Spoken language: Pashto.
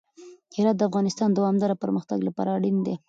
هرات د افغانستان د دوامداره پرمختګ لپاره اړین دی.